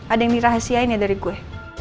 ada yang dirahasiain ya dari gue